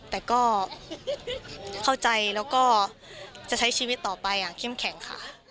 แต่ก็เข้าใจแล้วก็จะใช้ชีวิตต่อไปอย่างเข้มแข็งค่ะ